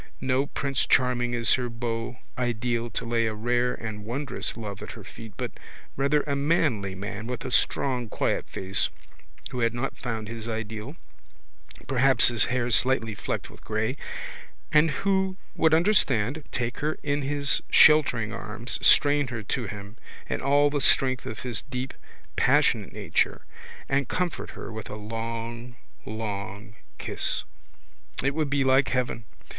No prince charming is her beau ideal to lay a rare and wondrous love at her feet but rather a manly man with a strong quiet face who had not found his ideal, perhaps his hair slightly flecked with grey, and who would understand, take her in his sheltering arms, strain her to him in all the strength of his deep passionate nature and comfort her with a long long kiss. It would be like heaven.